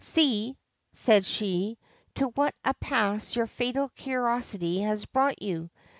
' See,' said she, ' to what a pass your fatal curiosity has brought you